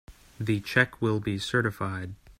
The check will be certified.